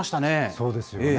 そうですよね。